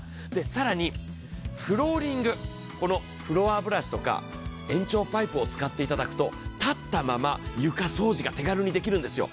更にフローリング、このフロアブラシとか延長パイプを使っていただくと立ったまま床掃除が手軽にできるんですよ。